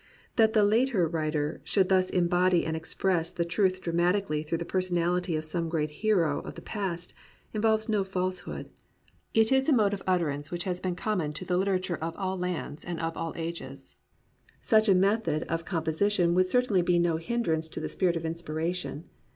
That a later writer should thus embody and express the truth dramatically through the personality of some great hero of the past, involves no falsehood. It is a mode of utter ance which has been common to the literature of 55 COMPANIONABLE BOOKS all lands and of all ages. Such a method of com position would certainly be no hindrance to the spirit of inspiration.